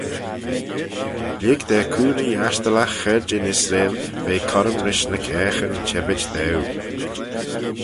Lhig da cooney ghiastyllagh Chaarjyn Israel ve corrym rish ny caaghyn çhebbit daue.